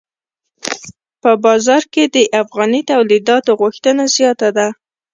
په بازار کې د افغاني تولیداتو غوښتنه زیاته ده.